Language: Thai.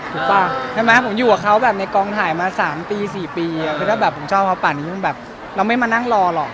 ถูกป่ะผมอยู่กับเขาในกองถ่ายมา๓๔ปีถ้าผมชอบเขาป่ะเราไม่มานั่งรอหรอก